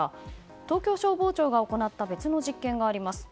東京消防庁が行った別の実験があります。